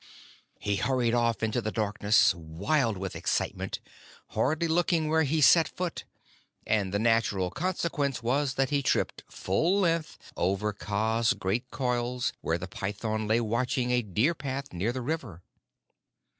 He hurried off into the darkness, wild with excitement, hardly looking where he set foot, and the natural consequence was that he tripped full length over Kaa's great coils where the python lay watching a deer path near the river.